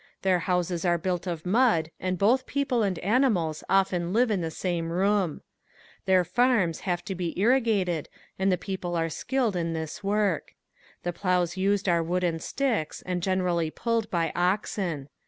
Their houses are built of mud and both people and animals often live in the same room. Their farms have to be irrigated and the people are skilled in this work. The plows used are wooden sticks and generally pulled by oxen.